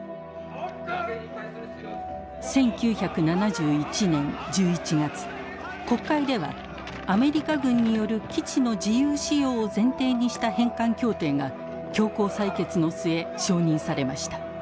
１９７１年１１月国会ではアメリカ軍による基地の自由使用を前提にした返還協定が強行採決の末承認されました。